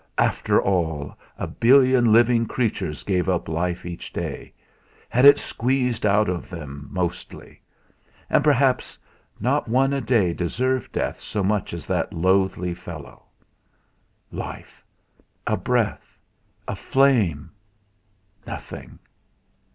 After all, a billion living creatures gave up life each day, had it squeezed out of them, mostly. And perhaps not one a day deserved death so much as that loathly fellow. Life! a breath aflame! Nothing!